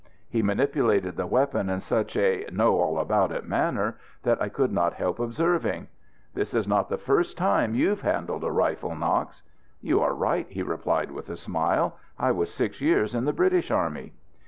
He manipulated the weapon in such a "know all about it" manner that I could not help observing: "This is not the first time you've handled a rifle, Knox." "You are right," he replied with a smile; "I was six years in the British army."